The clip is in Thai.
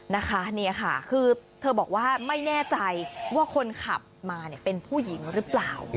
นะคะนี่ค่ะคือเธอบอกว่าไม่แน่ใจว่าคนขับมาเนี่ยเป็นผู้หญิงหรือเปล่า